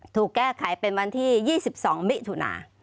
ถูกแก้ไขเป็นวันที่๒๒มิถุนา